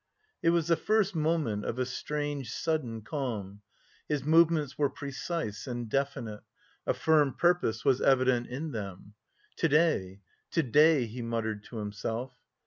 It was the first moment of a strange sudden calm. His movements were precise and definite; a firm purpose was evident in them. "To day, to day," he muttered to himself.